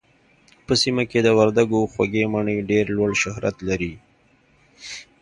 په سيمه کې د وردګو خوږې مڼې ډېر لوړ شهرت لري